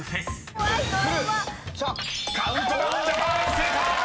［正解！